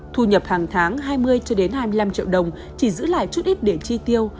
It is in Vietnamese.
thu nhập hàng tháng hai mươi hai mươi năm triệu đồng chỉ giữ lại chút ít để chi tiêu